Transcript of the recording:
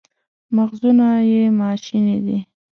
مغزونه یې ماشیني دي.